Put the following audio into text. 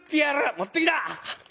持ってきな！」。